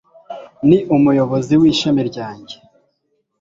Ni umuyobozi w'ishami ryanjye.